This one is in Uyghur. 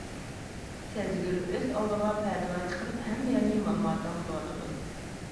سەزگۈر ئۆز ئالدىغا پەتىۋا چىقىرىپ ھەممە يەرنى مالىماتاڭ قىلىۋاتىدۇ.